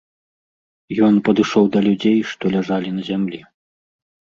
Ён падышоў да людзей, што ляжалі на зямлі.